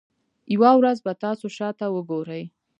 یوه ورځ به تاسو شاته وګورئ.